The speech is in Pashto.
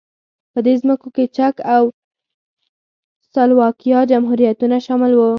په دې ځمکو کې چک او سلواکیا جمهوریتونه شامل وو.